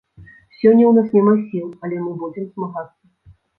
Сёння ў нас няма сіл, але мы будзем змагацца.